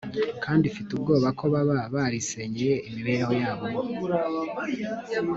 kandi mfite ubwoba ko baba barisenyeye imibereho yabo